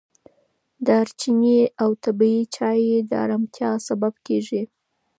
دارچیني او طبیعي چای د ارامتیا سبب کېږي.